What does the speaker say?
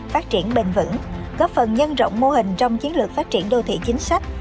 phát triển bền vững góp phần nhân rộng mô hình trong chiến lược phát triển đô thị chính sách